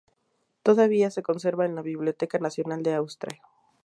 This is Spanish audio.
Todavía se conserva en la Biblioteca Nacional de Austria.